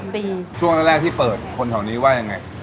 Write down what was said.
ช่วงแรกที่เปิดคนแถวนี้ว่ายังไง